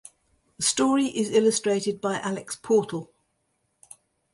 The story is illustrated by Alex Portal.